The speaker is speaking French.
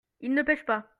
il ne pêche pas.